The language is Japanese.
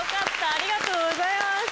ありがとうございます。